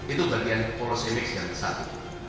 itu bagian policy mix yang satu